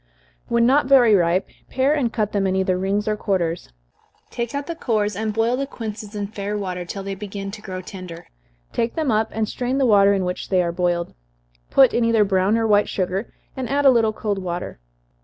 When not very ripe, pare and cut them either in rings or quarters, take out the cores, and boil the quinces in fair water, till they begin to grow tender take them up, and strain the water in which they are boiled put in either brown or white sugar add a little cold water.